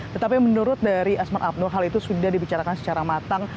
tetapi menurut dari asman abdul hal itu sudah dibicarakan secara matang